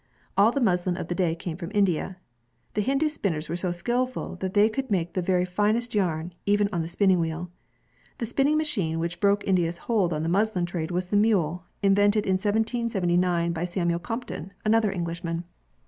All the muslin of the day came from India. The Hindu spinners were so skillful that they could make the very finest yam, even on the spinning wheel. The spinning machine which broke India's hold on the muslin trade was the mule, in vented in 1779 by Samuel Crompton, another Englishman.